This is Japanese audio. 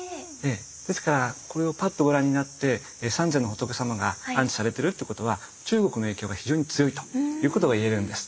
ですからこれをパッとご覧になって三世の仏様が安置されてるってことは中国の影響が非常に強いということがいえるんです。